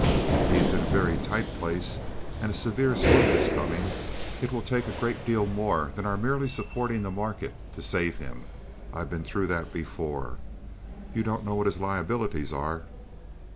If he's in a very tight place and a severe slump is coming, it will take a great deal more than our merely supporting the market to save him. I've been through that before. You don't know what his liabilities are?"